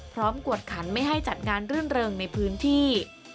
พร้อมกวดขันไม่ให้จัดงานเรื่องเริ่มในพื้นที่